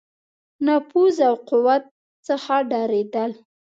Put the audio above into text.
نفوذ او قوت څخه ډارېدل.